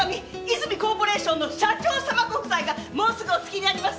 泉コーポレーションの社長様ご夫妻がもうすぐお着きになります。